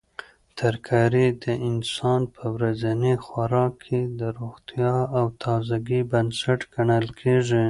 ترکاري د انسان په ورځني خوراک کې د روغتیا او تازګۍ بنسټ ګڼل کیږي.